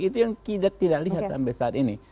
itu yang tidak kita lihat sampai saat ini